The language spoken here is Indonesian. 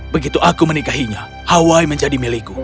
begitu aku menikahinya hawaii menjadi milikku